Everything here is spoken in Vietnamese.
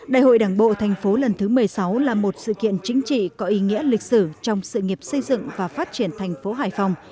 đại hội đảng bộ thành phố lần thứ một mươi sáu là một sự kiện chính trị có ý nghĩa lịch sử trong sự nghiệp xây dựng và phát triển thành phố hải phòng